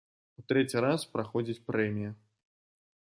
У трэці раз праходзіць прэмія.